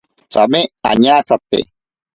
Tsame añatsate.